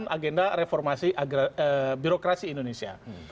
agenda reformasi birokrasi indonesia